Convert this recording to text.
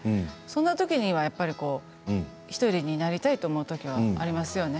そんなときは１人になりたいと思うときはありますよね。